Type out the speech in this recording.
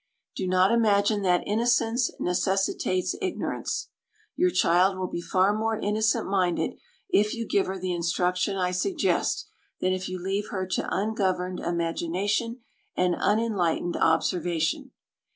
Do not imagine that innocence necessitates ignorance. Your child will be far more innocent minded, if you give her the instruction I suggest, than if you leave her to ungoverned imagination and unenlightened observation.